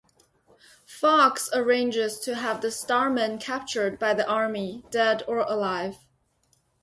Fox arranges to have the Starman captured by the Army, dead or alive.